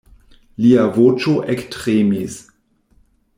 Lia voĉo ektremis.